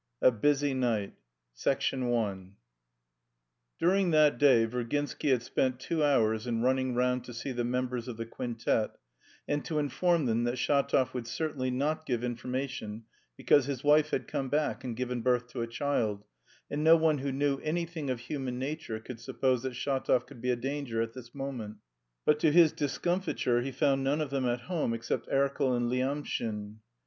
A BUSY NIGHT I During that day Virginsky had spent two hours in running round to see the members of the quintet and to inform them that Shatov would certainly not give information, because his wife had come back and given birth to a child, and no one "who knew anything of human nature" could suppose that Shatov could be a danger at this moment. But to his discomfiture he found none of them at home except Erkel and Lyamshin.